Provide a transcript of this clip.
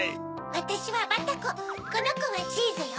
わたしはバタコこのコはチーズよ。